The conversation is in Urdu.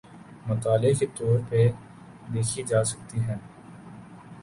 مطالعے کے طور پہ دیکھی جا سکتی ہیں۔